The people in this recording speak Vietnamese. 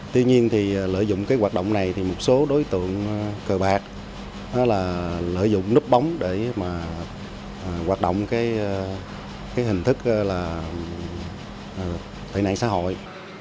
tuy nhiên lợi dụng hoạt động này một số đối tượng cơ bạc lợi dụng núp bóng để hoạt động hình thức tội nạn xã hội